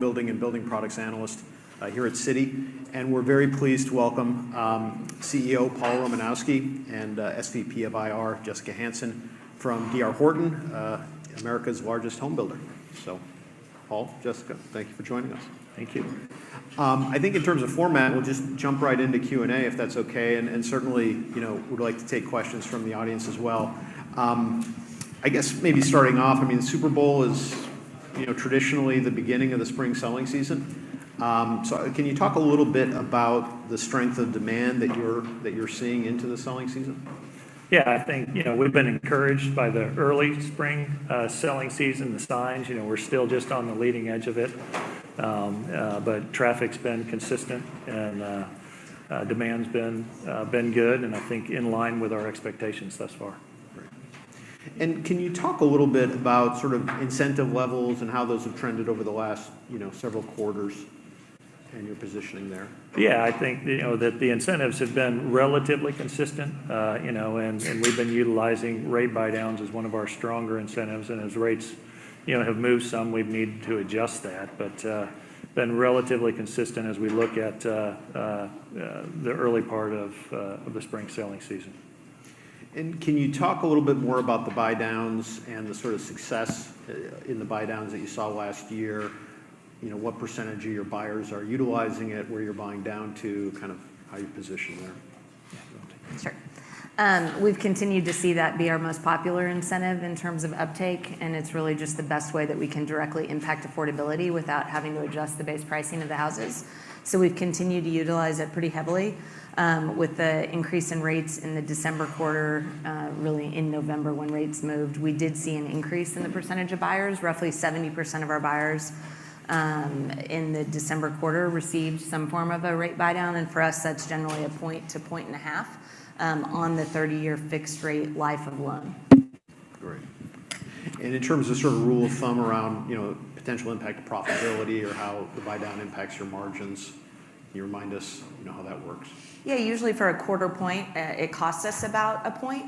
Building and Building Products Analyst here at Citi, and we're very pleased to welcome CEO Paul Romanowski and SVP of IR Jessica Hansen from D.R. Horton, America's largest homebuilder. So Paul, Jessica, thank you for joining us. Thank you. I think in terms of format, we'll just jump right into Q&A if that's okay, and certainly we'd like to take questions from the audience as well. I guess maybe starting off, I mean the Super Bowl is traditionally the beginning of the spring selling season. So can you talk a little bit about the strength of demand that you're seeing into the selling season? Yeah, I think we've been encouraged by the early spring selling season, the signs. We're still just on the leading edge of it, but traffic's been consistent and demand's been good, and I think in line with our expectations thus far. Great. And can you talk a little bit about sort of incentive levels and how those have trended over the last several quarters and your positioning there? Yeah, I think that the incentives have been relatively consistent, and we've been utilizing rate buydowns as one of our stronger incentives, and as rates have moved some, we've needed to adjust that. But been relatively consistent as we look at the early part of the spring selling season. Can you talk a little bit more about the buydowns and the sort of success in the buydowns that you saw last year? What percentage of your buyers are utilizing it, where you're buying down to, kind of how you position there? Sure. We've continued to see that be our most popular incentive in terms of uptake, and it's really just the best way that we can directly impact affordability without having to adjust the base pricing of the houses. So we've continued to utilize it pretty heavily. With the increase in rates in the December quarter, really in November when rates moved, we did see an increase in the percentage of buyers. Roughly 70% of our buyers in the December quarter received some form of a rate buydown, and for us that's generally 1 to 1.5 points on the 30-year fixed-rate life of loan. Great. In terms of sort of rule of thumb around potential impact of profitability or how the buydown impacts your margins, can you remind us how that works? Yeah, usually for a quarter point, it costs us about a point.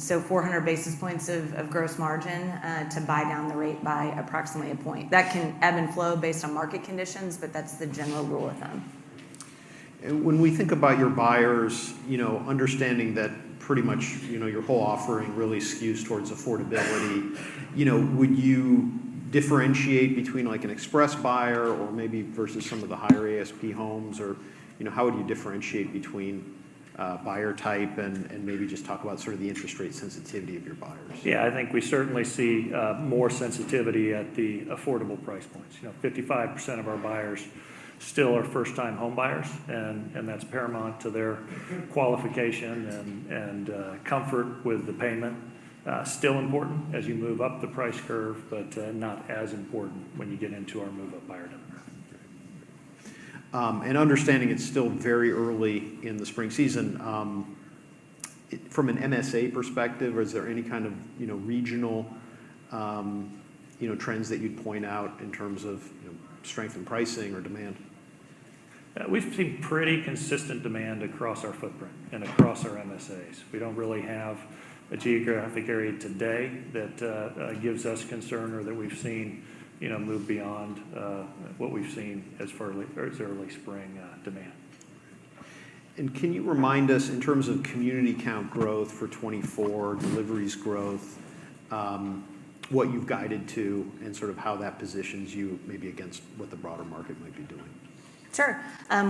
So 400 basis points of gross margin to buy down the rate by approximately a point. That can ebb and flow based on market conditions, but that's the general rule of thumb. When we think about your buyers, understanding that pretty much your whole offering really skews towards affordability, would you differentiate between an express buyer or maybe versus some of the higher ASP homes, or how would you differentiate between buyer type and maybe just talk about sort of the interest rate sensitivity of your buyers? Yeah, I think we certainly see more sensitivity at the affordable price points. 55% of our buyers still are first-time homebuyers, and that's paramount to their qualification and comfort with the payment. Still important as you move up the price curve, but not as important when you get into our move-up buyer demographic. Understanding it's still very early in the spring season, from an MSA perspective, is there any kind of regional trends that you'd point out in terms of strength in pricing or demand? We've seen pretty consistent demand across our footprint and across our MSAs. We don't really have a geographic area today that gives us concern or that we've seen move beyond what we've seen as far as early spring demand. Can you remind us in terms of community count growth for 2024, deliveries growth, what you've guided to and sort of how that positions you maybe against what the broader market might be doing? Sure.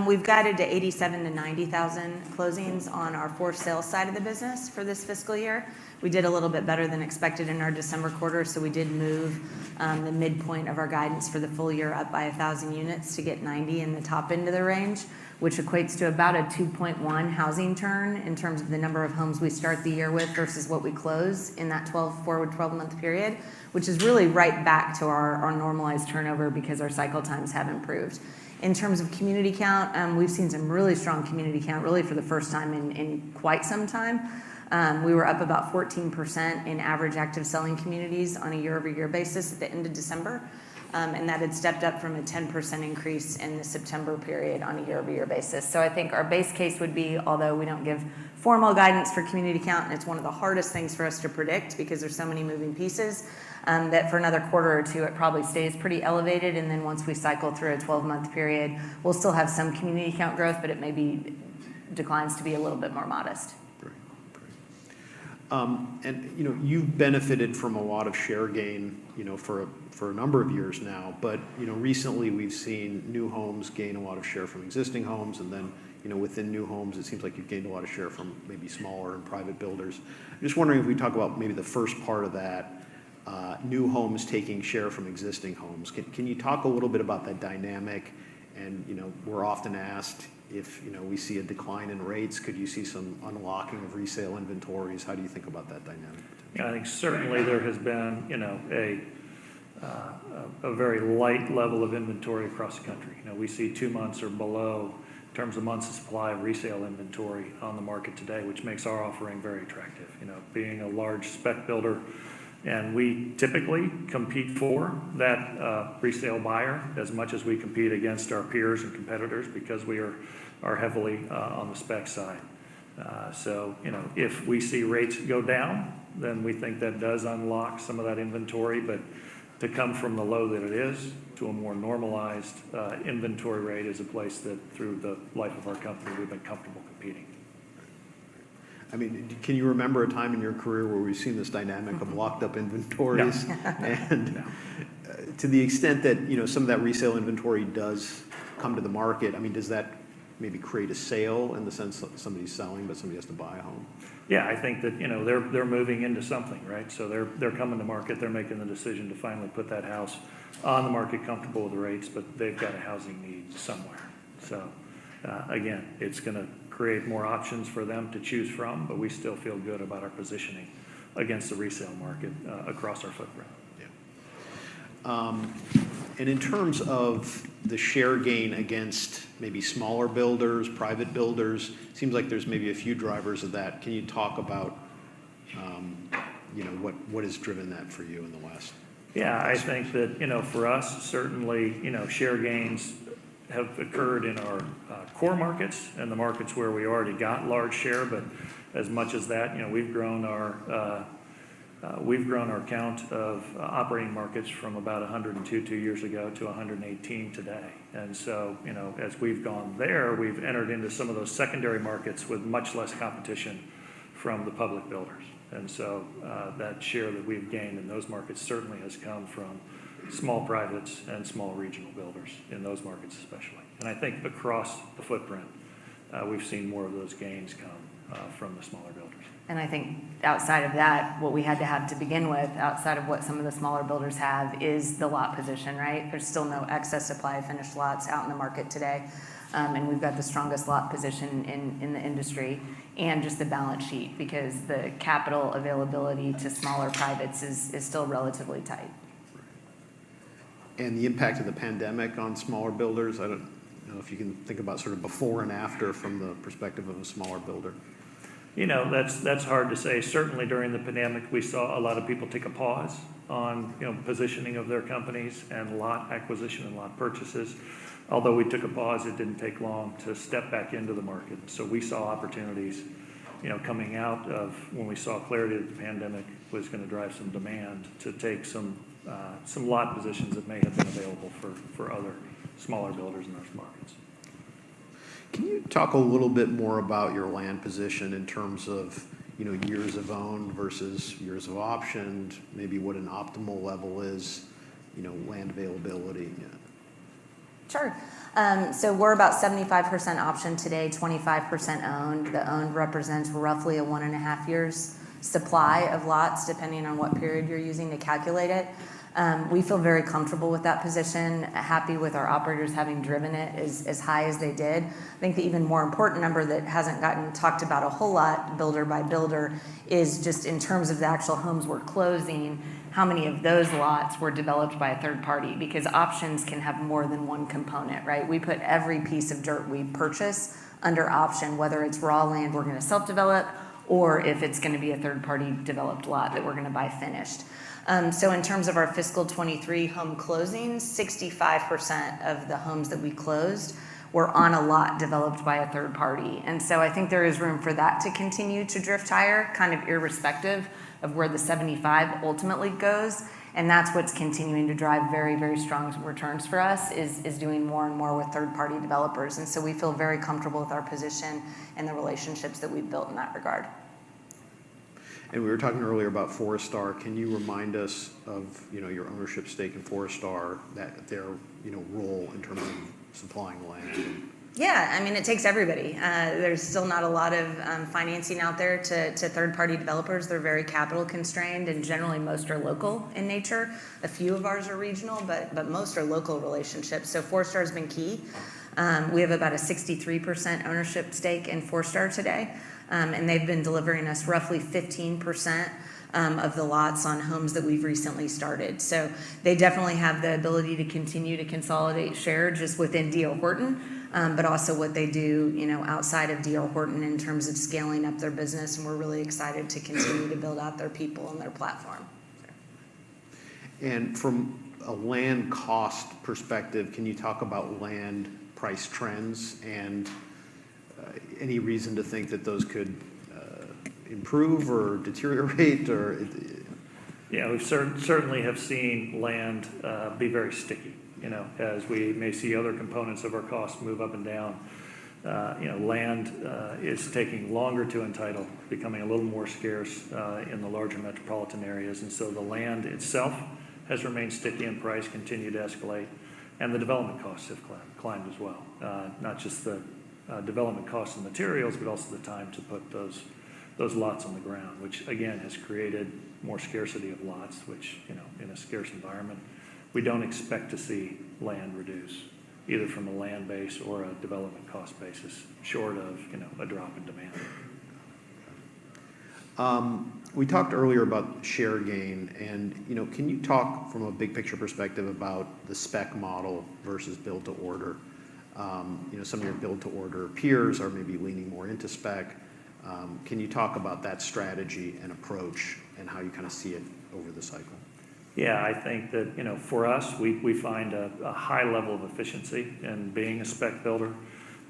We've guided to 87,000-90,000 closings on our for-sale side of the business for this fiscal year. We did a little bit better than expected in our December quarter, so we did move the midpoint of our guidance for the full year up by 1,000 units to get 90 in the top end of the range, which equates to about a 2.1 housing turn in terms of the number of homes we start the year with versus what we close in that forward 12-month period, which is really right back to our normalized turnover because our cycle times have improved. In terms of community count, we've seen some really strong community count really for the first time in quite some time. We were up about 14% in average active selling communities on a year-over-year basis at the end of December, and that had stepped up from a 10% increase in the September period on a year-over-year basis. So I think our base case would be, although we don't give formal guidance for community count, and it's one of the hardest things for us to predict because there's so many moving pieces, that for another quarter or two it probably stays pretty elevated, and then once we cycle through a 12-month period, we'll still have some community count growth, but it maybe declines to be a little bit more modest. Great. And you've benefited from a lot of share gain for a number of years now, but recently we've seen new homes gain a lot of share from existing homes, and then within new homes it seems like you've gained a lot of share from maybe smaller and private builders. I'm just wondering if we talk about maybe the first part of that, new homes taking share from existing homes. Can you talk a little bit about that dynamic? And we're often asked if we see a decline in rates, could you see some unlocking of resale inventories? How do you think about that dynamic potentially? Yeah, I think certainly there has been a very light level of inventory across the country. We see two months or below in terms of months of supply of resale inventory on the market today, which makes our offering very attractive. Being a large spec builder, and we typically compete for that resale buyer as much as we compete against our peers and competitors because we are heavily on the spec side. So if we see rates go down, then we think that does unlock some of that inventory, but to come from the low that it is to a more normalized inventory rate is a place that through the life of our company we've been comfortable competing. I mean, can you remember a time in your career where we've seen this dynamic of locked-up inventories? And to the extent that some of that resale inventory does come to the market, I mean, does that maybe create a sale in the sense that somebody's selling, but somebody has to buy a home? Yeah, I think that they're moving into something, right? So they're coming to market, they're making the decision to finally put that house on the market comfortable with the rates, but they've got a housing need somewhere. So again, it's going to create more options for them to choose from, but we still feel good about our positioning against the resale market across our footprint. Yeah. And in terms of the share gain against maybe smaller builders, private builders, it seems like there's maybe a few drivers of that. Can you talk about what has driven that for you in the last? Yeah, I think that for us, certainly share gains have occurred in our core markets and the markets where we already got large share, but as much as that, we've grown our count of operating markets from about 102 two years ago to 118 today. And so as we've gone there, we've entered into some of those secondary markets with much less competition from the public builders. And so that share that we've gained in those markets certainly has come from small privates and small regional builders in those markets especially. And I think across the footprint, we've seen more of those gains come from the smaller builders. I think outside of that, what we had to have to begin with outside of what some of the smaller builders have is the lot position, right? There's still no excess supply of finished lots out in the market today, and we've got the strongest lot position in the industry and just the balance sheet because the capital availability to smaller privates is still relatively tight. Right. And the impact of the pandemic on smaller builders? I don't know if you can think about sort of before and after from the perspective of a smaller builder. That's hard to say. Certainly during the pandemic, we saw a lot of people take a pause on positioning of their companies and lot acquisition and lot purchases. Although we took a pause, it didn't take long to step back into the market. So we saw opportunities coming out of when we saw clarity that the pandemic was going to drive some demand to take some lot positions that may have been available for other smaller builders in those markets. Can you talk a little bit more about your land position in terms of years of owned versus years of optioned, maybe what an optimal level is land availability? Sure. So we're about 75% optioned today, 25% owned. The owned represents roughly a one and a half years' supply of lots depending on what period you're using to calculate it. We feel very comfortable with that position, happy with our operators having driven it as high as they did. I think the even more important number that hasn't gotten talked about a whole lot builder by builder is just in terms of the actual homes we're closing, how many of those lots were developed by a third party because options can have more than one component, right? We put every piece of dirt we purchase under option, whether it's raw land we're going to self-develop or if it's going to be a third-party developed lot that we're going to buy finished. In terms of our fiscal 2023 home closings, 65% of the homes that we closed were on a lot developed by a third party. I think there is room for that to continue to drift higher, kind of irrespective of where the 75 ultimately goes. That's what's continuing to drive very, very strong returns for us is doing more and more with third-party developers. We feel very comfortable with our position and the relationships that we've built in that regard. We were talking earlier about Forestar. Can you remind us of your ownership stake in Forestar, their role in terms of supplying land and? Yeah, I mean, it takes everybody. There's still not a lot of financing out there to third-party developers. They're very capital-constrained and generally most are local in nature. A few of ours are regional, but most are local relationships. So Forestar has been key. We have about a 63% ownership stake in Forestar today, and they've been delivering us roughly 15% of the lots on homes that we've recently started. So they definitely have the ability to continue to consolidate share just within D.R. Horton, but also what they do outside of D.R. Horton in terms of scaling up their business, and we're really excited to continue to build out their people and their platform. From a land cost perspective, can you talk about land price trends and any reason to think that those could improve or deteriorate or? Yeah, we certainly have seen land be very sticky as we may see other components of our cost move up and down. Land is taking longer to entitle, becoming a little more scarce in the larger metropolitan areas. And so the land itself has remained sticky and price continued to escalate, and the development costs have climbed as well. Not just the development costs and materials, but also the time to put those lots on the ground, which again has created more scarcity of lots, which in a scarce environment, we don't expect to see land reduce either from a land base or a development cost basis short of a drop in demand. Got it. We talked earlier about share gain, and can you talk from a big picture perspective about the spec model versus build-to-order? Some of your build-to-order peers are maybe leaning more into spec. Can you talk about that strategy and approach and how you kind of see it over the cycle? Yeah, I think that for us, we find a high level of efficiency in being a spec builder.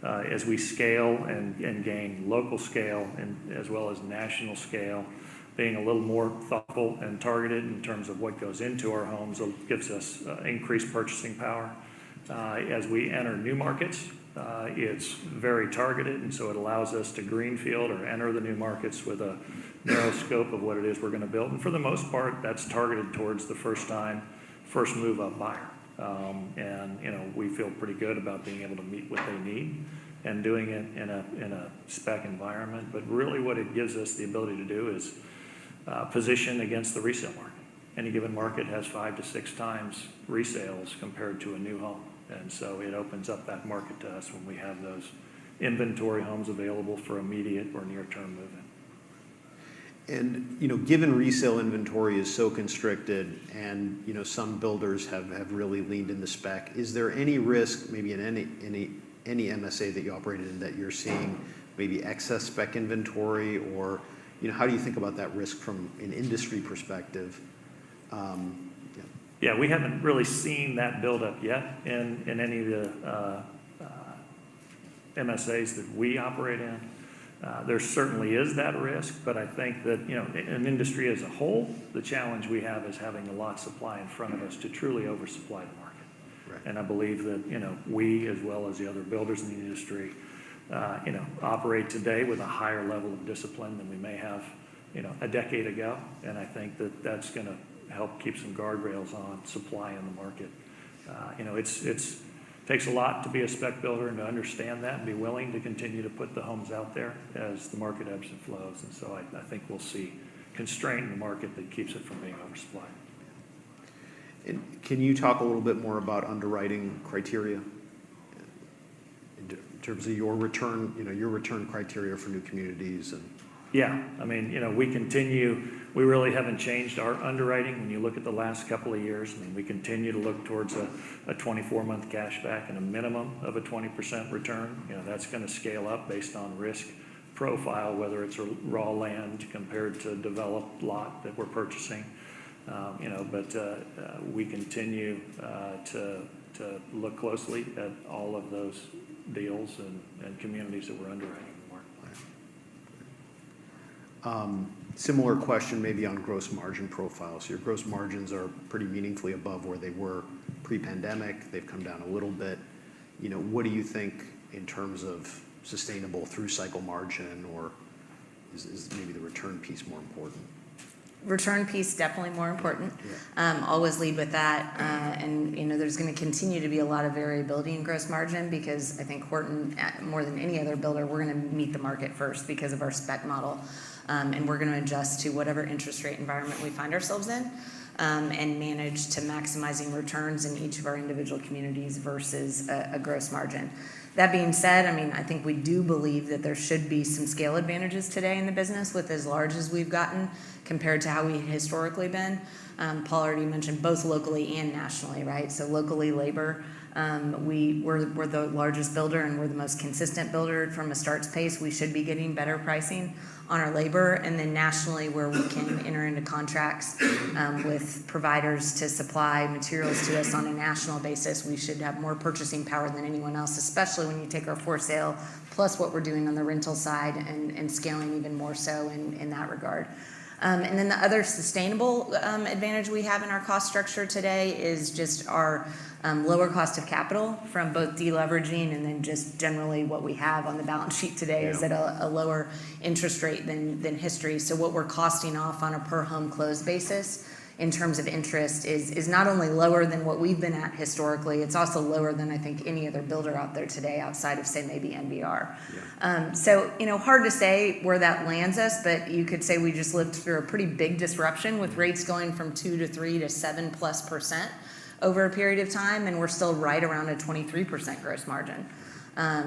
As we scale and gain local scale as well as national scale, being a little more thoughtful and targeted in terms of what goes into our homes gives us increased purchasing power. As we enter new markets, it's very targeted, and so it allows us to greenfield or enter the new markets with a narrow scope of what it is we're going to build. For the most part, that's targeted towards the first-time first move-up buyer. We feel pretty good about being able to meet what they need and doing it in a spec environment. But really what it gives us the ability to do is position against the resale market. Any given market has 5-6 times resales compared to a new home. So it opens up that market to us when we have those inventory homes available for immediate or near-term move-in. And given resale inventory is so constricted and some builders have really leaned in the spec, is there any risk maybe in any MSA that you operate in that you're seeing maybe excess spec inventory? Or how do you think about that risk from an industry perspective? Yeah, we haven't really seen that build-up yet in any of the MSAs that we operate in. There certainly is that risk, but I think that an industry as a whole, the challenge we have is having a lot of supply in front of us to truly oversupply the market. And I believe that we as well as the other builders in the industry operate today with a higher level of discipline than we may have a decade ago, and I think that that's going to help keep some guardrails on supply in the market. It takes a lot to be a spec builder and to understand that and be willing to continue to put the homes out there as the market ebbs and flows. And so I think we'll see constraint in the market that keeps it from being oversupplied. Can you talk a little bit more about underwriting criteria in terms of your return criteria for new communities and? Yeah, I mean, we continue. We really haven't changed our underwriting. When you look at the last couple of years, I mean, we continue to look towards a 24-month cashback and a minimum of a 20% return. That's going to scale up based on risk profile, whether it's raw land compared to developed lot that we're purchasing. But we continue to look closely at all of those deals and communities that we're underwriting in the marketplace. Similar question maybe on gross margin profiles. Your gross margins are pretty meaningfully above where they were pre-pandemic. They've come down a little bit. What do you think in terms of sustainable through-cycle margin or is maybe the return piece more important? Return piece definitely more important. Always lead with that. There's going to continue to be a lot of variability in gross margin because I think Horton, more than any other builder, we're going to meet the market first because of our spec model, and we're going to adjust to whatever interest rate environment we find ourselves in and manage to maximizing returns in each of our individual communities versus a gross margin. That being said, I mean, I think we do believe that there should be some scale advantages today in the business with as large as we've gotten compared to how we historically been. Paul already mentioned both locally and nationally, right? So locally labor, we're the largest builder and we're the most consistent builder from a starts pace. We should be getting better pricing on our labor. And then nationally, where we can enter into contracts with providers to supply materials to us on a national basis, we should have more purchasing power than anyone else, especially when you take our Forestar plus what we're doing on the rental side and scaling even more so in that regard. And then the other sustainable advantage we have in our cost structure today is just our lower cost of capital from both deleveraging and then just generally what we have on the balance sheet today is at a lower interest rate than history. So what we're costing off on a per-home closed basis in terms of interest is not only lower than what we've been at historically, it's also lower than I think any other builder out there today outside of, say, maybe NVR. So hard to say where that lands us, but you could say we just lived through a pretty big disruption with rates going from 2% to 3% to 7+% over a period of time, and we're still right around a 23% gross margin.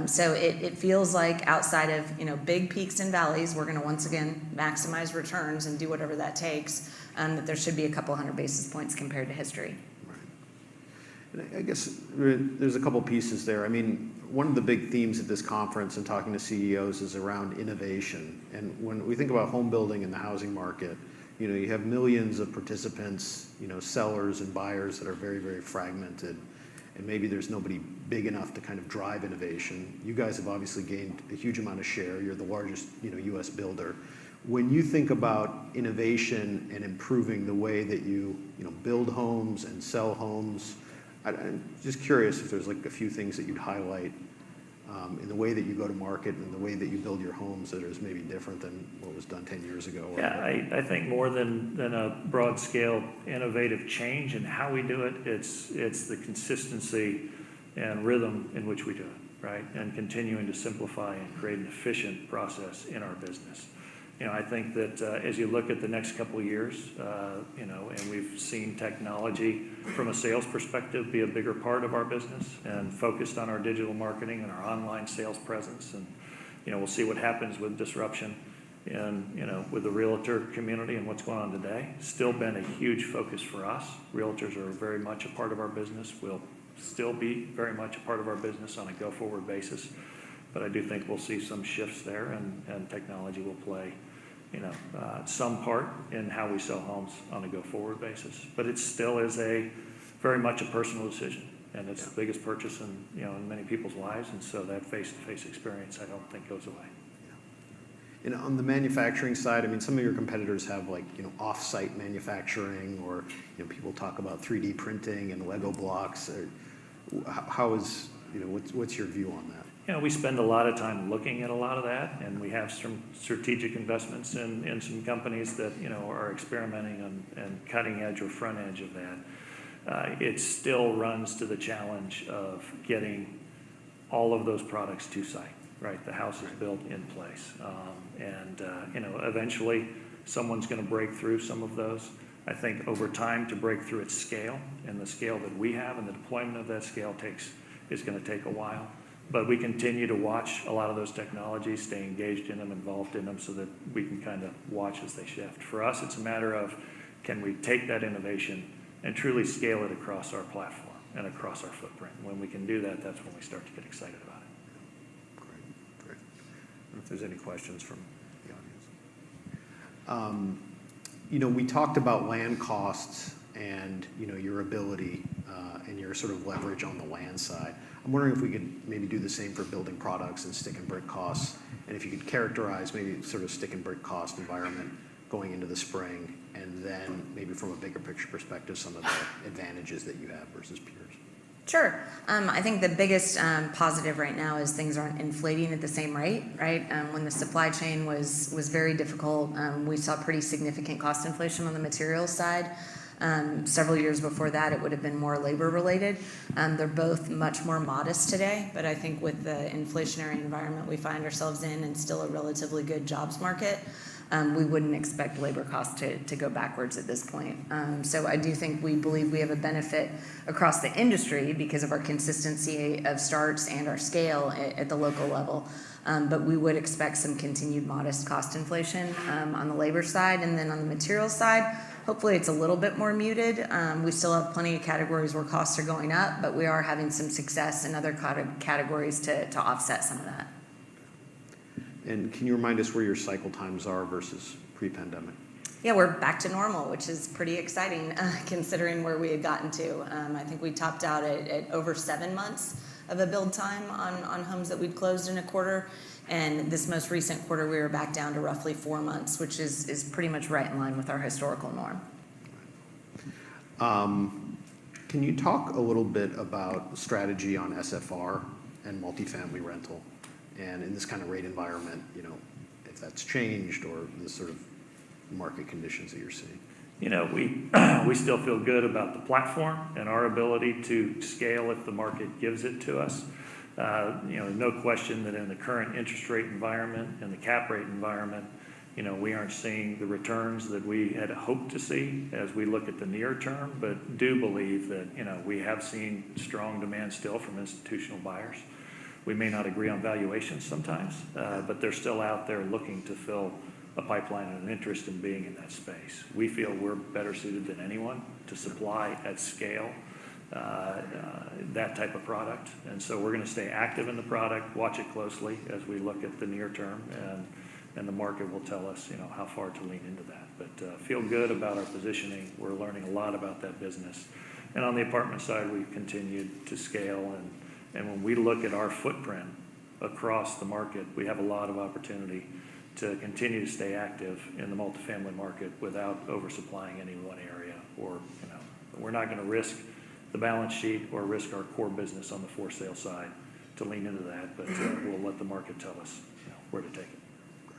So it feels like outside of big peaks and valleys, we're going to once again maximize returns and do whatever that takes, and that there should be a couple hundred basis points compared to history. Right. And I guess there's a couple pieces there. I mean, one of the big themes at this conference and talking to CEOs is around innovation. And when we think about homebuilding and the housing market, you have millions of participants, sellers and buyers that are very, very fragmented, and maybe there's nobody big enough to kind of drive innovation. You guys have obviously gained a huge amount of share. You're the largest U.S. builder. When you think about innovation and improving the way that you build homes and sell homes, I'm just curious if there's a few things that you'd highlight in the way that you go to market and the way that you build your homes that are maybe different than what was done 10 years ago or. Yeah, I think more than a broad-scale innovative change in how we do it, it's the consistency and rhythm in which we do it, right? And continuing to simplify and create an efficient process in our business. I think that as you look at the next couple of years, and we've seen technology from a sales perspective be a bigger part of our business and focused on our digital marketing and our online sales presence, and we'll see what happens with disruption and with the realtor community and what's going on today. Still been a huge focus for us. Realtors are very much a part of our business. We'll still be very much a part of our business on a go-forward basis. But I do think we'll see some shifts there and technology will play some part in how we sell homes on a go-forward basis. But it still is very much a personal decision, and it's the biggest purchase in many people's lives. And so that face-to-face experience, I don't think, goes away. Yeah. And on the manufacturing side, I mean, some of your competitors have off-site manufacturing or people talk about 3D printing and Lego blocks. What's your view on that? Yeah, we spend a lot of time looking at a lot of that, and we have some strategic investments in some companies that are experimenting and cutting edge or front edge of that. It still runs to the challenge of getting all of those products to site, right? The house is built in place. And eventually, someone's going to break through some of those. I think over time to break through its scale and the scale that we have and the deployment of that scale is going to take a while. But we continue to watch a lot of those technologies, stay engaged in them, involved in them so that we can kind of watch as they shift. For us, it's a matter of can we take that innovation and truly scale it across our platform and across our footprint? When we can do that, that's when we start to get excited about it. Great. Great. I don't know if there's any questions from the audience. We talked about land costs and your ability and your sort of leverage on the land side. I'm wondering if we could maybe do the same for building products and stick-and-brick costs, and if you could characterize maybe sort of stick-and-brick cost environment going into the spring, and then maybe from a bigger picture perspective, some of the advantages that you have versus peers. Sure. I think the biggest positive right now is things aren't inflating at the same rate, right? When the supply chain was very difficult, we saw pretty significant cost inflation on the materials side. Several years before that, it would have been more labor-related. They're both much more modest today. But I think with the inflationary environment we find ourselves in and still a relatively good jobs market, we wouldn't expect labor costs to go backwards at this point. So I do think we believe we have a benefit across the industry because of our consistency of starts and our scale at the local level. But we would expect some continued modest cost inflation on the labor side. And then on the materials side, hopefully, it's a little bit more muted. We still have plenty of categories where costs are going up, but we are having some success in other categories to offset some of that. Can you remind us where your cycle times are versus pre-pandemic? Yeah, we're back to normal, which is pretty exciting considering where we had gotten to. I think we topped out at over seven months of a build time on homes that we'd closed in a quarter. This most recent quarter, we were back down to roughly four months, which is pretty much right in line with our historical norm. Can you talk a little bit about strategy on SFR and multifamily rental? In this kind of rate environment, if that's changed or the sort of market conditions that you're seeing? We still feel good about the platform and our ability to scale if the market gives it to us. No question that in the current interest rate environment and the cap rate environment, we aren't seeing the returns that we had hoped to see as we look at the near term, but do believe that we have seen strong demand still from institutional buyers. We may not agree on valuations sometimes, but they're still out there looking to fill a pipeline and an interest in being in that space. We feel we're better suited than anyone to supply at scale that type of product. And so we're going to stay active in the product, watch it closely as we look at the near term, and the market will tell us how far to lean into that. But feel good about our positioning. We're learning a lot about that business. On the apartment side, we've continued to scale. When we look at our footprint across the market, we have a lot of opportunity to continue to stay active in the multifamily market without oversupplying any one area. We're not going to risk the balance sheet or risk our core business on the for-sale side to lean into that, but we'll let the market tell us where to take it. Great.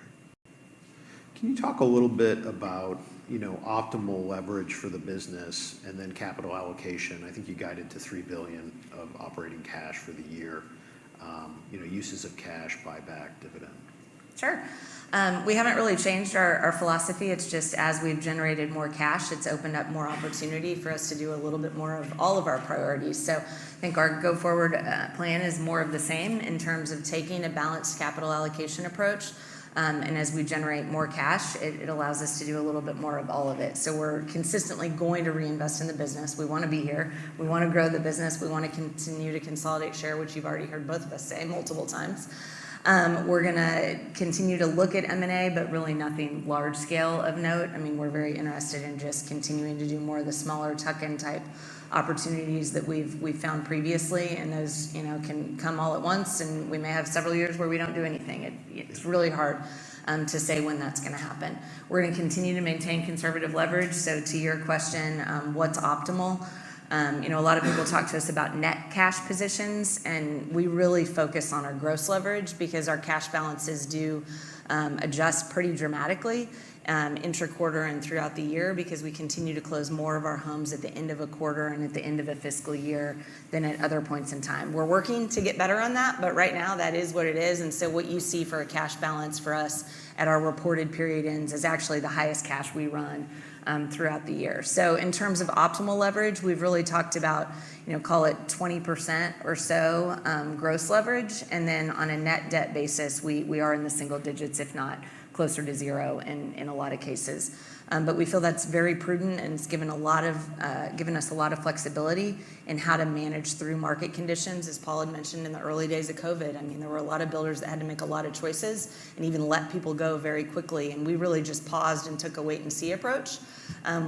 Can you talk a little bit about optimal leverage for the business and then capital allocation? I think you guided to $3 billion of operating cash for the year. Uses of cash, buyback, dividend. Sure. We haven't really changed our philosophy. It's just as we've generated more cash, it's opened up more opportunity for us to do a little bit more of all of our priorities. So I think our go-forward plan is more of the same in terms of taking a balanced capital allocation approach. And as we generate more cash, it allows us to do a little bit more of all of it. So we're consistently going to reinvest in the business. We want to be here. We want to grow the business. We want to continue to consolidate share, which you've already heard both of us say multiple times. We're going to continue to look at M&A, but really nothing large-scale of note. I mean, we're very interested in just continuing to do more of the smaller tuck-in type opportunities that we've found previously, and those can come all at once. We may have several years where we don't do anything. It's really hard to say when that's going to happen. We're going to continue to maintain conservative leverage. To your question, what's optimal? A lot of people talk to us about net cash positions, and we really focus on our gross leverage because our cash balances do adjust pretty dramatically intra-quarter and throughout the year because we continue to close more of our homes at the end of a quarter and at the end of a fiscal year than at other points in time. We're working to get better on that, but right now, that is what it is. What you see for a cash balance for us at our reported period ends is actually the highest cash we run throughout the year. In terms of optimal leverage, we've really talked about, call it 20% or so gross leverage. Then on a net debt basis, we are in the single digits, if not closer to zero in a lot of cases. But we feel that's very prudent and it's given us a lot of flexibility in how to manage through market conditions. As Paul had mentioned in the early days of COVID, I mean, there were a lot of builders that had to make a lot of choices and even let people go very quickly. We really just paused and took a wait-and-see approach,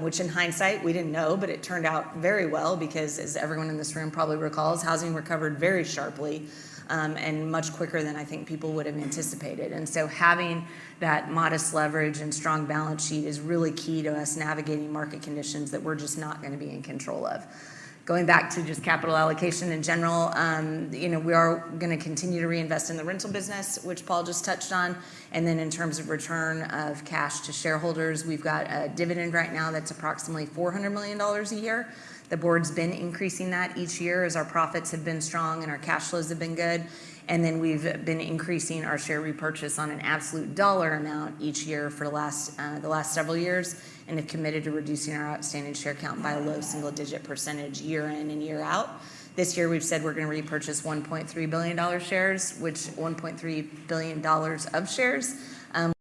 which in hindsight, we didn't know, but it turned out very well because, as everyone in this room probably recalls, housing recovered very sharply and much quicker than I think people would have anticipated. Having that modest leverage and strong balance sheet is really key to us navigating market conditions that we're just not going to be in control of. Going back to just capital allocation in general, we are going to continue to reinvest in the rental business, which Paul just touched on. In terms of return of cash to shareholders, we've got a dividend right now that's approximately $400 million a year. The board's been increasing that each year as our profits have been strong and our cash flows have been good. We've been increasing our share repurchase on an absolute dollar amount each year for the last several years and have committed to reducing our outstanding share count by a low single-digit percentage year in and year out. This year, we've said we're going to repurchase $1.3 billion shares, which $1.3 billion of shares,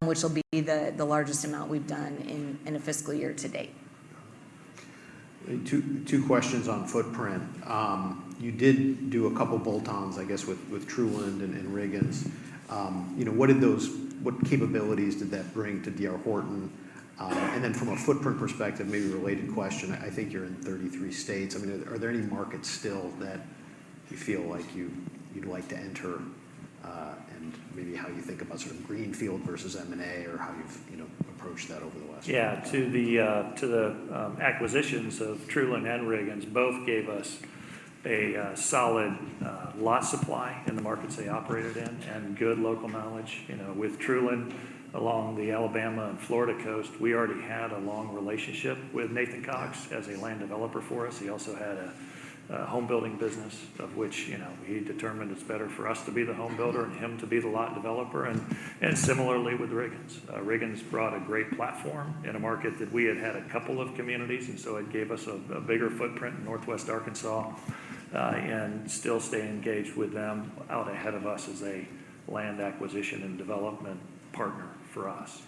which will be the largest amount we've done in a fiscal year to date. Two questions on footprint. You did do a couple bolt-ons, I guess, with Truland and Riggins. What capabilities did that bring to D.R. Horton? And then from a footprint perspective, maybe related question, I think you're in 33 states. I mean, are there any markets still that you feel like you'd like to enter and maybe how you think about sort of greenfield versus M&A or how you've approached that over the last year? Yeah. To the acquisitions of Truland and Riggins, both gave us a solid lot supply in the markets they operated in and good local knowledge. With Truland along the Alabama and Florida coast, we already had a long relationship with Nathan Cox as a land developer for us. He also had a homebuilding business of which he determined it's better for us to be the homebuilder and him to be the lot developer. And similarly with Riggins. Riggins brought a great platform in a market that we had had a couple of communities, and so it gave us a bigger footprint in Northwest Arkansas and still stay engaged with them out ahead of us as a land acquisition and development partner for us.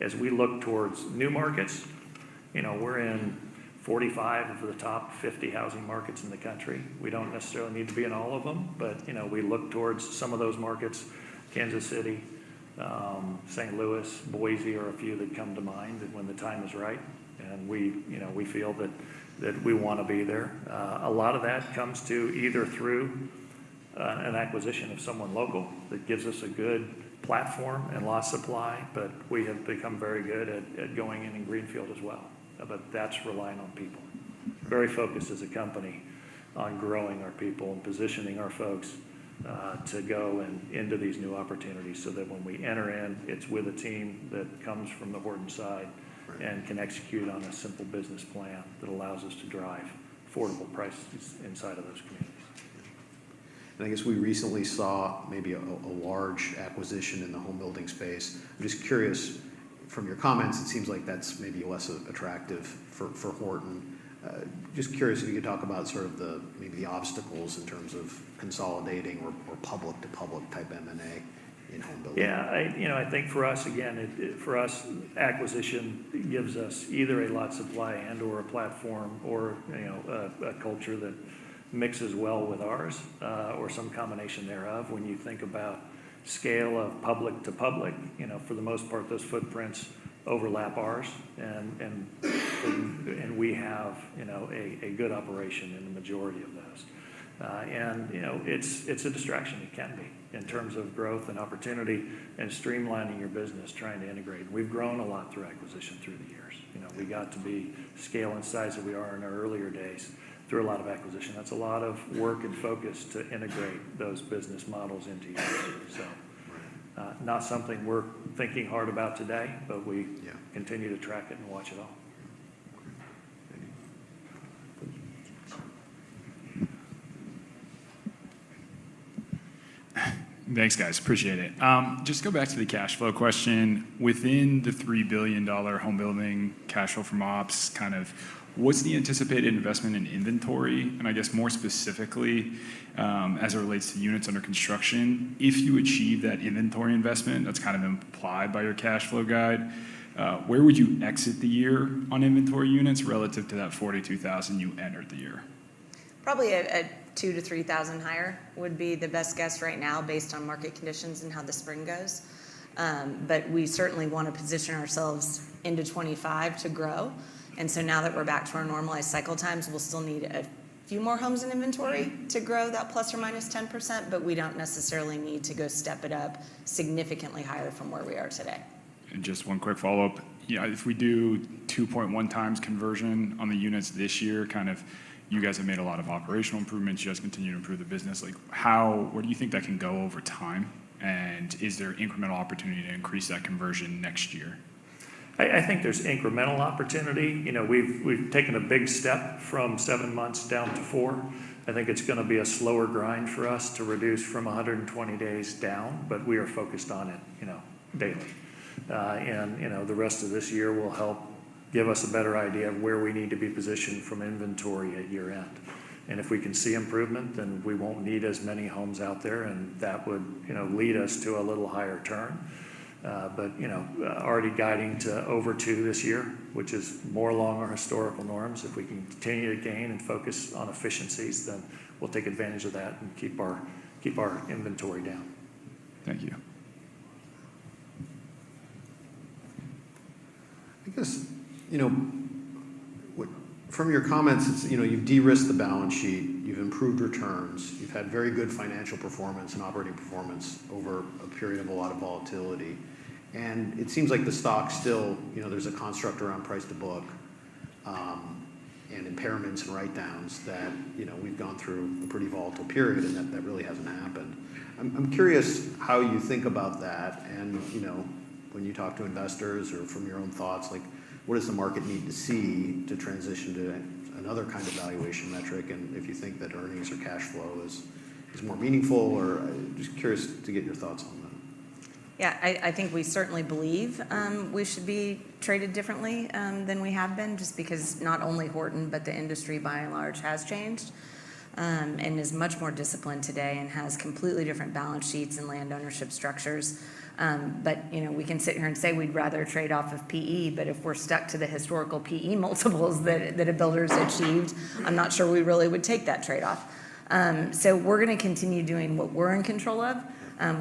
As we look towards new markets, we're in 45 of the top 50 housing markets in the country. We don't necessarily need to be in all of them, but we look towards some of those markets: Kansas City, St. Louis, Boise, are a few that come to mind when the time is right. We feel that we want to be there. A lot of that comes either through an acquisition of someone local that gives us a good platform and lot supply, but we have become very good at going in greenfield as well. That's relying on people. Very focused as a company on growing our people and positioning our folks to go into these new opportunities so that when we enter in, it's with a team that comes from the Horton side and can execute on a simple business plan that allows us to drive affordable prices inside of those communities. I guess we recently saw maybe a large acquisition in the homebuilding space. I'm just curious, from your comments, it seems like that's maybe less attractive for Horton. Just curious if you could talk about sort of maybe the obstacles in terms of consolidating or public-to-public type M&A in homebuilding? Yeah. I think for us, again, for us, acquisition gives us either a lot supply and/or a platform or a culture that mixes well with ours or some combination thereof. When you think about scale of public-to-public, for the most part, those footprints overlap ours, and we have a good operation in the majority of those. And it's a distraction. It can be in terms of growth and opportunity and streamlining your business, trying to integrate. And we've grown a lot through acquisition through the years. We got to be scale and size that we are in our earlier days through a lot of acquisition. That's a lot of work and focus to integrate those business models into yours. So not something we're thinking hard about today, but we continue to track it and watch it all. Okay. Thanks, guys. Appreciate it. Just go back to the cash flow question. Within the $3 billion homebuilding cash flow from ops, kind of what's the anticipated investment in inventory? And I guess more specifically, as it relates to units under construction, if you achieve that inventory investment that's kind of implied by your cash flow guide, where would you exit the year on inventory units relative to that 42,000 you entered the year? Probably a 2,000-3,000 higher would be the best guess right now based on market conditions and how the spring goes. But we certainly want to position ourselves into 2025 to grow. And so now that we're back to our normalized cycle times, we'll still need a few more homes in inventory to grow that ±10%, but we don't necessarily need to go step it up significantly higher from where we are today. Just one quick follow-up. If we do 2.1 times conversion on the units this year, kind of you guys have made a lot of operational improvements. You guys continue to improve the business. Where do you think that can go over time? And is there incremental opportunity to increase that conversion next year? I think there's incremental opportunity. We've taken a big step from seven months down to four. I think it's going to be a slower grind for us to reduce from 120 days down, but we are focused on it daily. The rest of this year will help give us a better idea of where we need to be positioned from inventory at year-end. If we can see improvement, then we won't need as many homes out there, and that would lead us to a little higher turn. But already guiding to over two this year, which is more along our historical norms. If we can continue to gain and focus on efficiencies, then we'll take advantage of that and keep our inventory down. Thank you. I guess from your comments, you've de-risked the balance sheet. You've improved returns. You've had very good financial performance and operating performance over a period of a lot of volatility. It seems like the stock still, there's a construct around price to book and impairments and write-downs that we've gone through a pretty volatile period and that really hasn't happened. I'm curious how you think about that. When you talk to investors or from your own thoughts, what does the market need to see to transition to another kind of valuation metric? If you think that earnings or cash flow is more meaningful, or just curious to get your thoughts on that. Yeah. I think we certainly believe we should be traded differently than we have been just because not only Horton, but the industry by and large has changed and is much more disciplined today and has completely different balance sheets and land ownership structures. But we can sit here and say we'd rather trade off of PE. But if we're stuck to the historical PE multiples that a builder's achieved, I'm not sure we really would take that trade-off. So we're going to continue doing what we're in control of,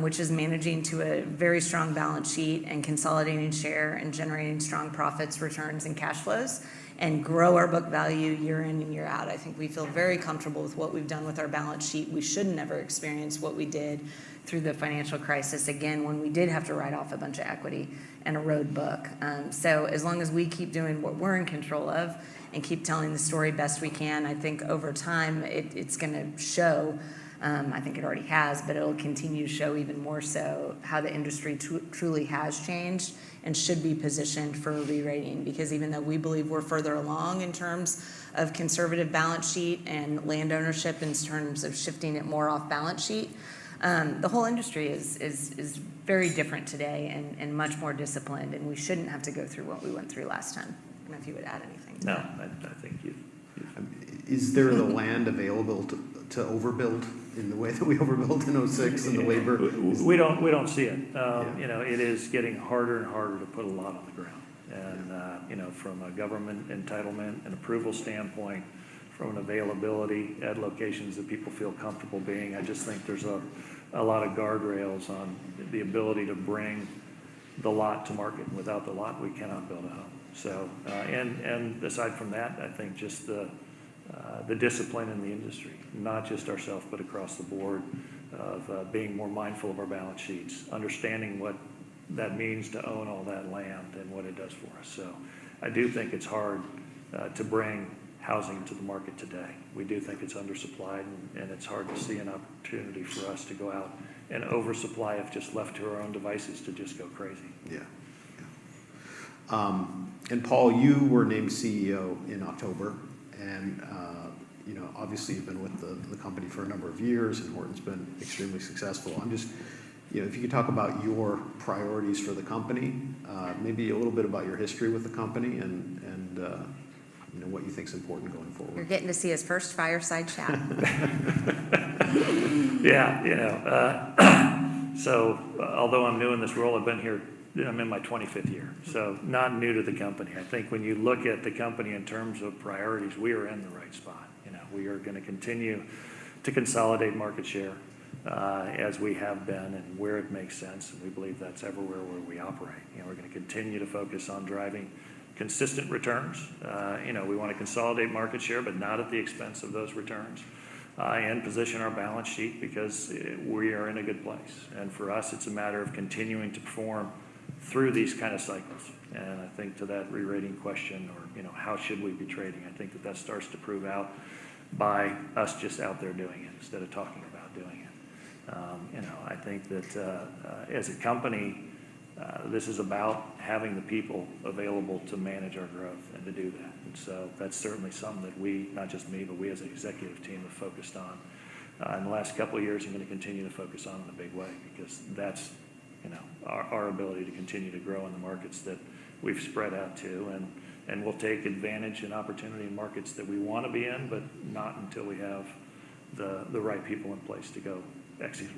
which is managing to a very strong balance sheet and consolidating share and generating strong profits, returns, and cash flows and grow our book value year in and year out. I think we feel very comfortable with what we've done with our balance sheet. We should never experience what we did through the financial crisis again when we did have to write off a bunch of equity and erode book. So as long as we keep doing what we're in control of and keep telling the story best we can, I think over time, it's going to show I think it already has, but it'll continue to show even more so how the industry truly has changed and should be positioned for a rerating because even though we believe we're further along in terms of conservative balance sheet and land ownership in terms of shifting it more off balance sheet, the whole industry is very different today and much more disciplined. We shouldn't have to go through what we went through last time. I don't know if you would add anything to that. No. I think you've. Is there the land available to overbuild in the way that we overbuilt in 2006 and the labor? We don't see it. It is getting harder and harder to put a lot on the ground. And from a government entitlement and approval standpoint, from an availability at locations that people feel comfortable being, I just think there's a lot of guardrails on the ability to bring the lot to market. Without the lot, we cannot build a home. And aside from that, I think just the discipline in the industry, not just ourselves, but across the board of being more mindful of our balance sheets, understanding what that means to own all that land and what it does for us. So I do think it's hard to bring housing to the market today. We do think it's undersupplied, and it's hard to see an opportunity for us to go out and oversupply if just left to our own devices to just go crazy. Yeah. Yeah. And Paul, you were named CEO in October. And obviously, you've been with the company for a number of years, and Horton's been extremely successful. If you could talk about your priorities for the company, maybe a little bit about your history with the company and what you think's important going forward. You're getting to see his first fireside chat. Yeah. So although I'm new in this role, I'm in my 25th year. So not new to the company. I think when you look at the company in terms of priorities, we are in the right spot. We are going to continue to consolidate market share as we have been and where it makes sense. And we believe that's everywhere where we operate. We're going to continue to focus on driving consistent returns. We want to consolidate market share, but not at the expense of those returns and position our balance sheet because we are in a good place. And for us, it's a matter of continuing to perform through these kind of cycles. And I think to that rerating question or how should we be trading, I think that that starts to prove out by us just out there doing it instead of talking about doing it. I think that as a company, this is about having the people available to manage our growth and to do that. And so that's certainly something that we, not just me, but we as an executive team, have focused on. And the last couple of years, I'm going to continue to focus on in a big way because that's our ability to continue to grow in the markets that we've spread out to. And we'll take advantage and opportunity in markets that we want to be in, but not until we have the right people in place to go execute.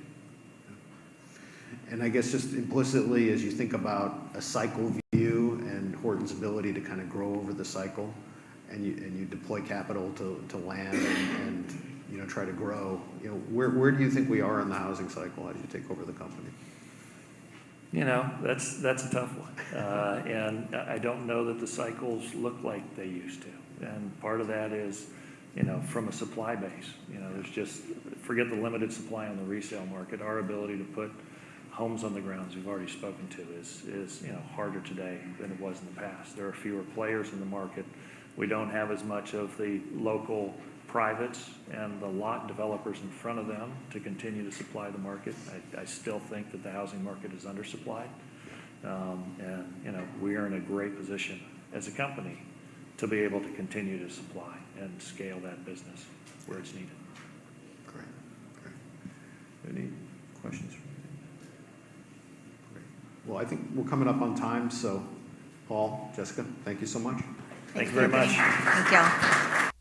I guess just implicitly, as you think about a cycle view and Horton's ability to kind of grow over the cycle and you deploy capital to land and try to grow, where do you think we are in the housing cycle as you take over the company? That's a tough one. And I don't know that the cycles look like they used to. And part of that is from a supply base. Forget the limited supply on the resale market. Our ability to put homes on the grounds we've already spoken to is harder today than it was in the past. There are fewer players in the market. We don't have as much of the local privates and the lot developers in front of them to continue to supply the market. I still think that the housing market is undersupplied. And we are in a great position as a company to be able to continue to supply and scale that business where it's needed. Great. Great. Any questions from anything else? Great. Well, I think we're coming up on time. So Paul, Jessica, thank you so much. Thank you very much. Thank you. Thank y'all.